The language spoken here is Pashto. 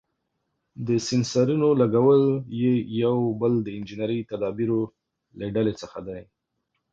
د سېنسرونو لګول یې یو بل د انجنیري تدابیرو له ډلې څخه دی.